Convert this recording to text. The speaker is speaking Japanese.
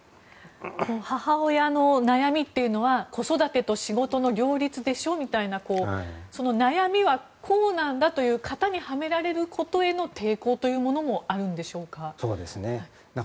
母親の悩みというのは子育てと仕事の両立でしょみたいな悩みはこうなんだみたいな型にはめられることへの抵抗というものもあるんでしょうか。